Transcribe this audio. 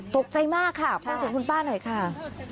ตกใจมากค่ะพบถึงคุณป้าหน่อยค่ะ